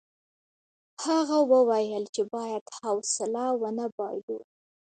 هغه وویل چې باید حوصله ونه بایلو.